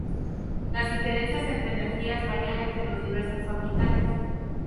Las diferencias entre energías varían entre los diversos orbitales.